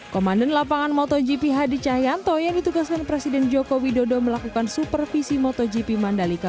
komandan lapangan motogp hadi cahyanto yang ditugaskan presiden joko widodo melakukan supervisi motogp mandalika